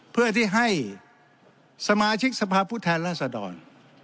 เพื่อที่ให้สมาชิกสภาพผู้แทนราษดร